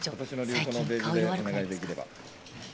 最近顔色悪くないですか？